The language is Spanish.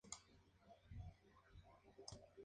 Su hábitat es el bosque seco tropical y subtropical.